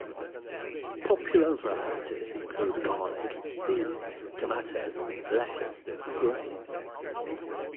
Popular varieties include garlic, beans, tomatoes, lettuce, and grains.